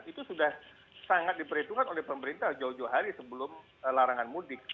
itu sudah sangat diperhitungkan oleh pemerintah jauh jauh hari sebelum larangan mudik